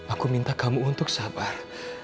aku minta kamu untuk sabar